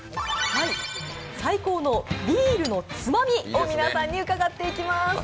最高のビールのツマミを皆さんに伺っていきます。